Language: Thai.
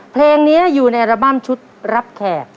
เพลงนี้อยู่ในอัลบั้มชุดรับแขก